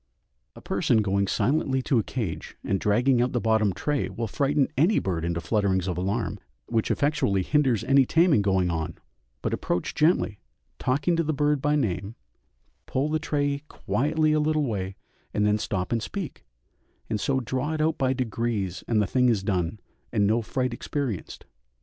A person going silently to a cage and dragging out the bottom tray will frighten any bird into flutterings of alarm, which effectually hinders any taming going on; but approach gently, talking to the bird by name, pull the tray quietly a little way, and then stop and speak, and so draw it out by degrees and the thing is done, and no fright experienced.